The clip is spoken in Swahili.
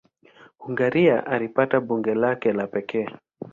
Hungaria ilipata bunge lake la pekee.